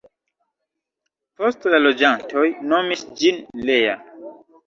Poste la loĝantoj nomis ĝin Lea.